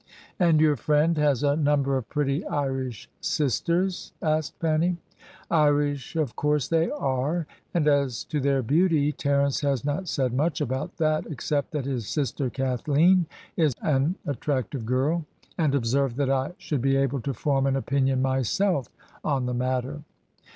"And your friend has a number of pretty Irish sisters?" asked Fanny. "Irish of course they are, and as to their beauty Terence has not said much about that, except that his sister Kathleen is an attractive girl, and observed that I should be able to form an opinion myself on the matter."